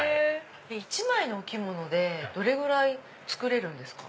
１枚のお着物でどれぐらい作れるんですか？